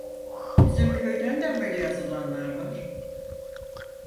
Bizim köyden de amele yazılanlar var.